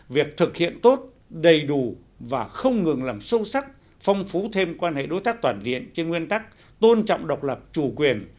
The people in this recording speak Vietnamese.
việc thực hiện tốt đầy đủ và không ngừng làm sâu sắc phong phú thêm quan hệ đối tác toàn diện trên nguyên tắc tôn trọng độc lập chủ quyền